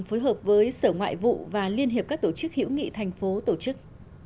phối hợp với sở ngoại vụ và liên hiệp các tổ chức hữu nghị thành phố tổ chức